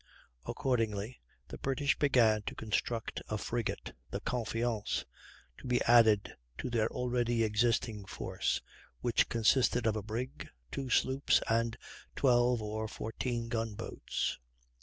Accordingly, the British began to construct a frigate, the Confiance, to be added to their already existing force, which consisted of a brig, two sloops, and 12 or 14 gun boats.